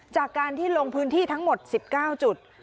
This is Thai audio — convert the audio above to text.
จากการที่ลงพื้นที่ทั้งหมด๑๙จุด